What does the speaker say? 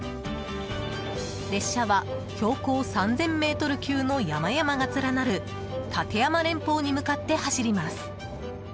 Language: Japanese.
列車は、標高３０００ｍ級の山々が連なる立山連峰に向かって走ります。